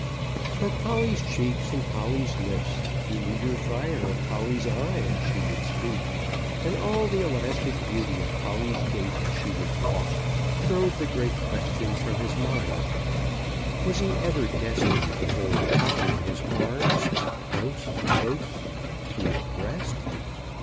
But Polly's cheeks, and Polly's lips, the eager fire of Polly's eye as she would speak, and all the elastic beauty of Polly's gait as she would walk, drove the great question from his mind. Was he ever destined to hold Polly in his arms, close, close to his breast?